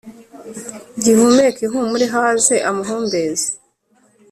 gihumeke ihumure haze amahumbezi